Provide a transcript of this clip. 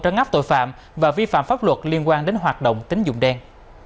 trấn áp tội phạm và vi phạm pháp luật liên quan đến hoạt động tính dụng đen